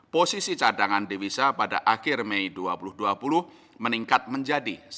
posisi cadangan devisa pada akhir mei dua ribu dua puluh meningkat menjadi satu